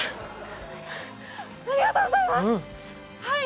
ありがとうございます。